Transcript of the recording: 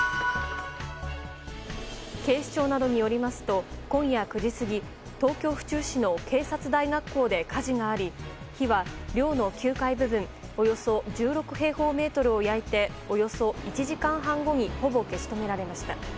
警視庁などによりますと今夜９時過ぎ東京・府中市の警察大学校で火事があり火は寮の９階部分およそ１６平方メートルを焼いておよそ１時間半後にほぼ消し止められました。